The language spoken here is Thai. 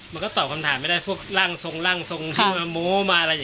มันก็ตอบคำถามไม่ได้พวกรั่งทรงมาอะไรอย่างนี้